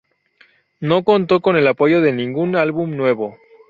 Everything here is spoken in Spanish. No contó con el apoyo de ningún álbum nuevo.